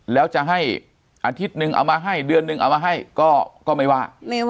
แล้วจะให้อาทิตย์นึงเอามาให้เดือนนึงเอามาให้ก็ไม่ว่า